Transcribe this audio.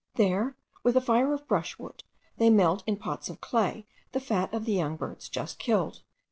There, with a fire of brushwood, they melt in pots of clay the fat of the young birds just killed.